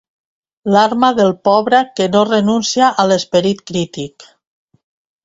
L'arma del pobre que no renuncia a l'esperit crític.